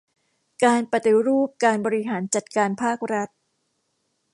การปฏิรูปการบริหารจัดการภาครัฐ